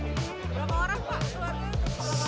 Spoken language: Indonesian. berapa orang pak keluarga